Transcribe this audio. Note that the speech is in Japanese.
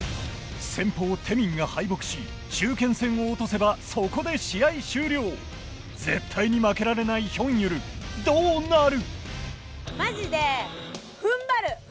先鋒テミンが敗北し中堅戦を落とせばそこで試合終了絶対に負けられないヒョンユルどうなる？